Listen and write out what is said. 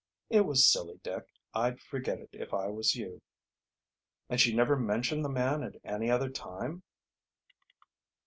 "It was silly, Dick I'd forget it if I was you." "And she never mentioned the man at any other time?"